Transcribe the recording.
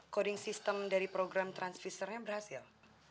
coding sistem dari program transfisernya berhasil